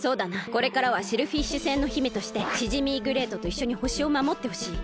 これからはシェルフィッシュ星の姫としてシジミーグレイトといっしょにほしをまもってほしい。